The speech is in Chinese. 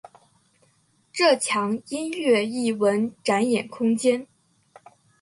这墙音乐艺文展演空间。